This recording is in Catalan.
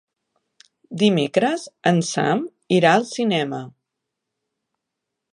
Dimecres en Sam irà al cinema.